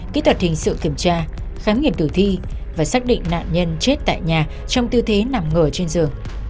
kỹ thuật hình sự kiểm tra khám nghiệm tử thi và xác định nạn nhân chết tại nhà trong tư thế nằm ngửa trên giường